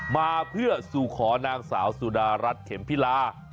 มาเพื่อสู่ขอนางสาวสุดารัฐเข็มพิลา